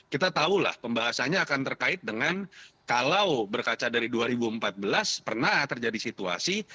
kita tahu lah pembahasannya akan terkait dengan kalau berkaca dari dua ribu empat belas pernah terjadi situasi